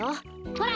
ほら。